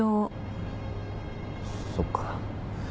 そっか。